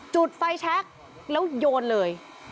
จุดไฟแชคแล้วโยนเลย